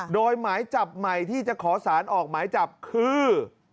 โดยหมายจับใหม่ที่จะขอสารออกหมายจับคือ